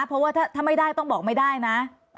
เพราะว่าถ้าไม่ได้ต้องบอกไม่ได้นะ